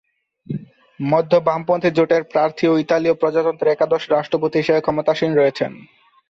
মধ্য-বামপন্থী জোটের প্রার্থী ও ইতালীয় প্রজাতন্ত্রের একাদশ রাষ্ট্রপতি হিসেবে ক্ষমতাসীন রয়েছেন।